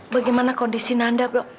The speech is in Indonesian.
bagaimana kondisi nanda bu